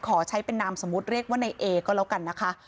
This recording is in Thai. ขอใช้เป็นนามสมมุติเรียกว่าในเอก็แล้วกันนะคะ